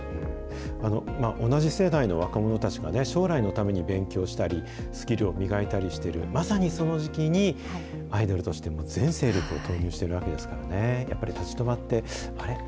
同じ世代の若者たちが、将来のために勉強したり、スキルを磨いたりしている、まさにその時期に、アイドルとして全精力を投入しているわけですからね、やっぱり立ち止まって、あれ？